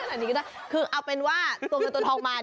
อันนี้ก็ได้คือเอาเป็นว่าส่วนเนอร์ตัวทองมา